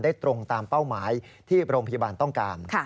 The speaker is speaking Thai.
ตรงตามเป้าหมายที่โรงพยาบาลต้องการ